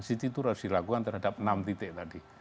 siti itu harus dilakukan terhadap enam titik tadi